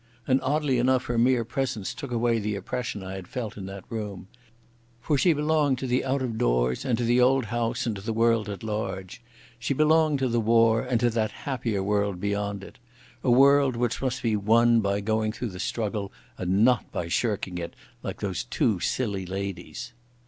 And oddly enough her mere presence took away the oppression I had felt in that room. For she belonged to the out of doors and to the old house and to the world at large. She belonged to the war, and to that happier world beyond it—a world which must be won by going through the struggle and not by shirking it, like those two silly ladies.